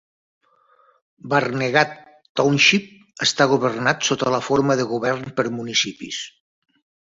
Barnegat Township està governat sota la forma de govern per municipis.